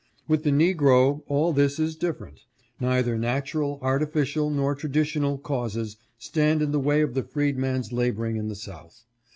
With the negro all this is different. Neither natural, artificial nor tradi tional causes stand in the way of the freedman's laboring in the South.